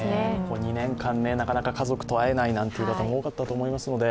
２年間、なかなか家族と会えないなんて方も多かったと思います。